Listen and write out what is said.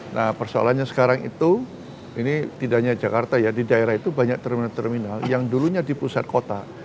nah persoalannya sekarang itu ini tidak hanya jakarta ya di daerah itu banyak terminal terminal yang dulunya di pusat kota